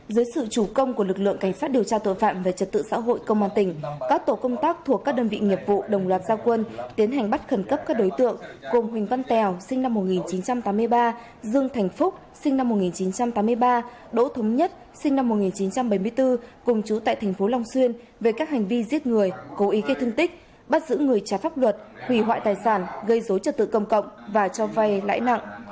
giới sự chủ công của lực lượng cảnh phát điều tra tội phạm về trật tự xã hội công an tỉnh các tổ công tác thuộc các đơn vị nghiệp vụ đồng loạt giao quân tiến hành bắt khẩn cấp các đối tượng cùng huỳnh văn tèo sinh năm một nghìn chín trăm tám mươi ba dương thành phúc sinh năm một nghìn chín trăm tám mươi ba đỗ thống nhất sinh năm một nghìn chín trăm bảy mươi bốn cùng trú tại thành phố long xuyên về các hành vi giết người cố ý gây thương tích bắt giữ người trả pháp luật hủy hoại tài sản gây dối trật tự công cộng và cho vay lãi nặng